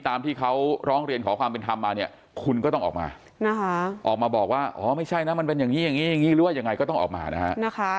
ตามที่เขาร้องเรียนขอความเป็นธรรมมาเนี่ยคุณก็ต้องออกมานะคะออกมาออกมาบอกว่าอ๋อไม่ใช่นะมันเป็นอย่างนี้อย่างนี้หรือว่ายังไงก็ต้องออกมานะฮะ